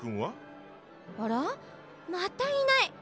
あら？またいない。